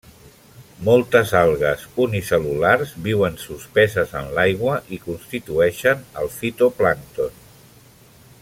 Moltes algues unicel·lulars viuen suspeses en l'aigua i constitueixen el fitoplàncton.